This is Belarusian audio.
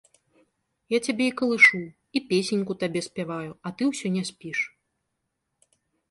Я цябе і калышу і песеньку табе спяваю, а ты ўсё не спіш.